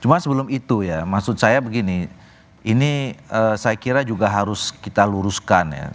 cuma sebelum itu ya maksud saya begini ini saya kira juga harus kita luruskan ya